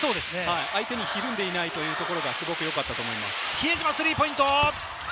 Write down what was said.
相手にひるんでいないところが、すごく良かったと思います。